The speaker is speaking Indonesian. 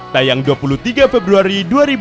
tayang dua puluh tiga februari dua ribu dua puluh